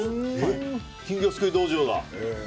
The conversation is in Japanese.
金魚すくい道場に。